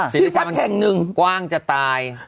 สีราชามันกว้างจะตาย